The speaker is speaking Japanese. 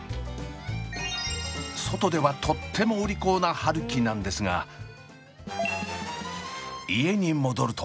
外ではとってもお利口な春輝なんですが家に戻ると。